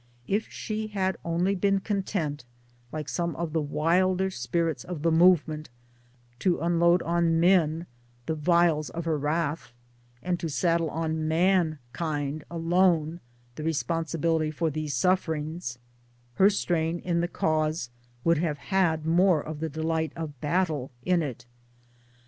If she had only been content like some of the wilder spirits of the movement to unload on men the vials of her wrath, and to saddle on mankind alone the responsibility for these sufferings, her strain in the cause would have had more of the delight of battle in it.